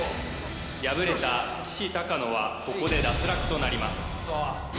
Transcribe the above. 敗れたきしたかのはここで脱落となります